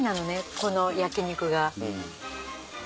この焼き肉が。